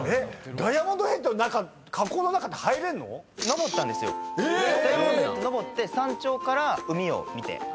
ダイヤモンドヘッド登って山頂から海を見て。